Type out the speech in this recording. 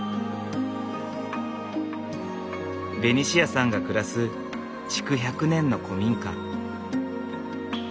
ベニシアさんが暮らす築１００年の古民家。